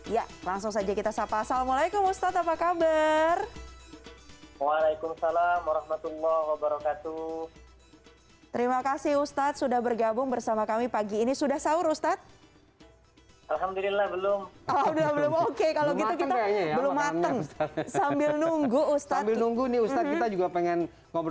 ya langsung saja kita sapa sapa assalamualaikum ustadz apa kabar